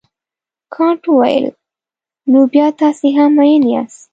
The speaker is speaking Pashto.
کانت وویل نو بیا تاسي هم مین یاست.